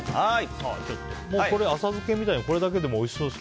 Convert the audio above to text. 浅漬けみたいにこれだけでもおいしそうですね。